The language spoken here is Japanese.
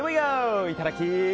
いただき！